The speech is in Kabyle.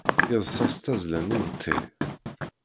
Yeḍṣa s tazzla n imeṭṭi!